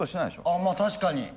あまあ確かに。